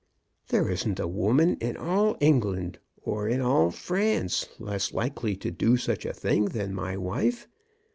'* There isn't a woman in all England or in all France less likely to do such a thing than my wife.